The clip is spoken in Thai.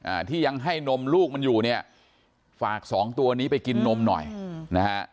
อ่าที่ยังให้นมลูกมันอยู่เนี่ยฝากสองตัวนี้ไปกินนมหน่อยอืมนะฮะ